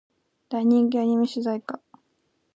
大人気アニメ主題歌